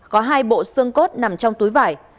có hai bộ xương cốt nằm trong túi vải